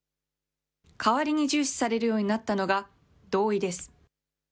代わりに重視されるようになったのが同意です。